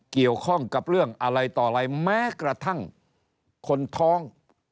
เกี่ยวข้องกับเรื่องอะไรต่ออะไรแม้กระทั่งคนท้อง